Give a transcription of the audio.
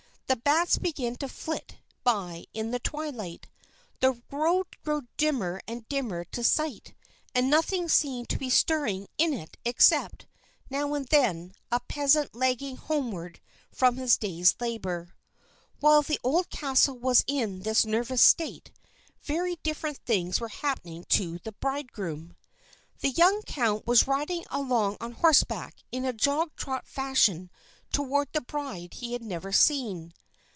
The bats began to flit by in the twilight. The road grew dimmer and dimmer to sight, and nothing seemed to be stirring in it except, now and then, a peasant lagging homeward from his day's labor. While the old castle was in this nervous state, very different things were happening to the bridegroom. The young count was riding along on horseback in a jog trot fashion toward the bride he had never seen.